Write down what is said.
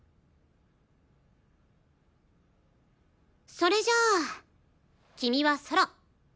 それじゃあ君はソロ。